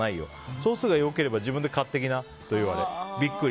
ソースが良ければ自分で買ってきなと言われビックリ。